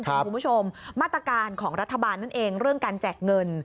คุณผู้ชมมาตรการของรัฐบาลนั่นเองเรื่องการแจกเงิน